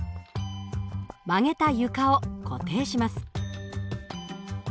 曲げた床を固定します。